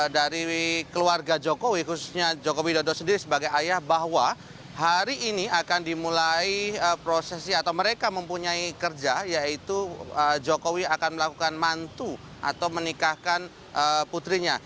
dari keluarga jokowi khususnya jokowi dodo sendiri sebagai ayah bahwa hari ini akan dimulai prosesi atau mereka mempunyai kerja yaitu jokowi akan melakukan mantu atau menikahkan putrinya